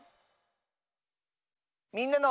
「みんなの」。